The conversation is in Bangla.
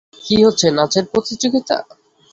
কি হচ্ছে, নাচের প্রতিযোগিতা?